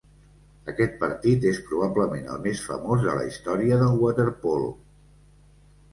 Aquest partit és probablement el més famós de la història del waterpolo.